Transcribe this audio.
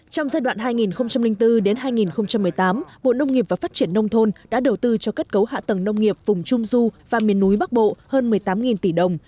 trong giai đoạn hai nghìn bốn hai nghìn một mươi tám bộ nông nghiệp và phát triển nông thôn đã đầu tư cho kết cấu hạ tầng nông nghiệp vùng trung du và miền núi bắc bộ hơn một mươi tám tỷ đồng